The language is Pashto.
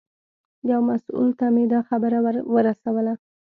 یو مسوول ته مې دا خبره ورسوله.